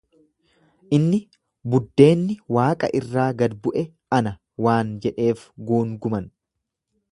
Inni, Buddeenni waaqa irraa gad bu’e ana waan jedheef guunguman.